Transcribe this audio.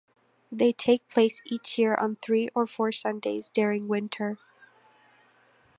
They take place each year on three or four Sundays during winter.